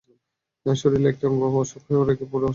শরীরের একটি অঙ্গে অসুখ রেখে পুরো শরীরে সুখ আসতে পারে না।